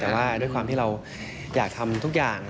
แต่ว่าด้วยความที่เราอยากทำทุกอย่าง